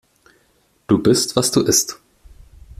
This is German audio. Du bist, was du isst.